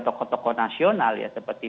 tokoh tokoh nasional ya seperti